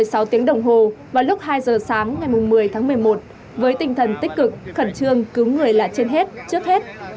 sau tiếng đồng hồ vào lúc hai giờ sáng ngày một mươi tháng một mươi một với tinh thần tích cực khẩn trương cứu người là trên hết trước hết